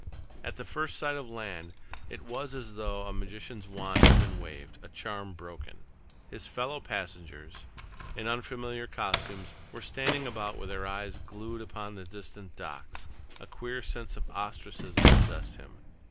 At the first sight of land, it was as though a magician's wand had been waved, a charm broken. His fellow passengers, in unfamiliar costumes, were standing about with their eyes glued upon the distant docks. A queer sense of ostracism possessed him.